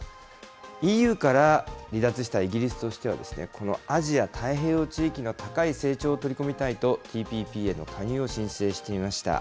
ＥＵから離脱したイギリスとしては、このアジア太平洋地域の高い成長を取り込みたいと、ＴＰＰへの加入を申請していました。